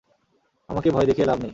আমাকে ভয় দেখিয়ে লাভ নেই।